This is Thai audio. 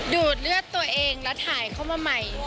ดูดเลือดตัวเองแล้วถ่ายเข้ามาใหม่